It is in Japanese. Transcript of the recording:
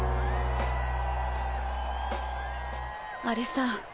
あれさ。